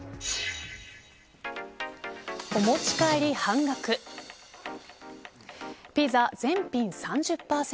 お持ち帰り半額ピザ全品３０％